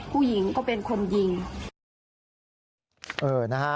ผู้หญิงก็เป็นคนยิง